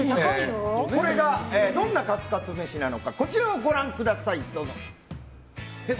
これがどんなカツカツ飯かこちらをご覧ください。